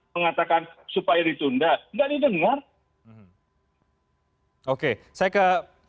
menerima oke saya ke